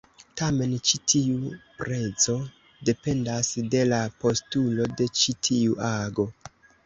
Tamen ĉi tiu prezo dependas de la postulo de ĉi tiu ago.